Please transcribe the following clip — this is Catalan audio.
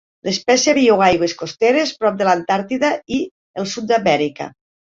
L"espècia viu a aigües costeres prop de l"Antàrtida i el Sud d"Amèrica.